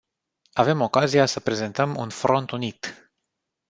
Avem ocazia să prezentăm un front unit.